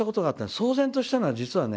騒然としたのは実はね